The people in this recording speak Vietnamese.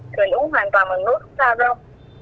thì mình uống hoàn toàn bằng nước saffron